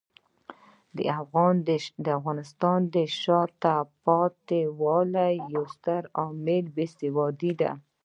د افغانستان د شاته پاتې والي یو ستر عامل بې سوادي دی.